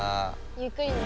・ゆっくりね。